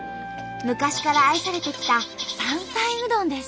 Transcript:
昔から愛されてきた山菜うどんです。